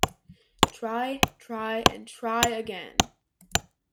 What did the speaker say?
Try, try, and try again.